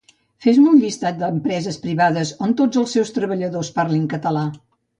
Fes-me un llistat d'empreses privades on tots els seus treballadors parlin català